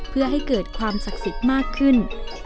เพื่อให้เกิดความศักดิ์สิทธิ์มากขึ้น